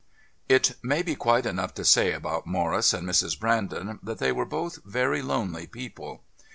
It may be quite enough to say about Morris and Mrs. Brandon, that they were both very lonely people.